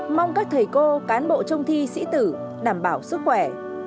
mong các thầy cô cán bộ trông thi sĩ tử đảm bảo sức khỏe